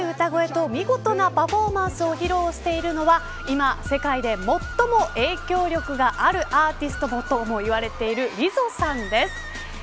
力強い歌声と見事なパフォーマンスを披露しているのは今、世界で最も影響力があるアーティストともいわれているＬＩＺＺＯさんです。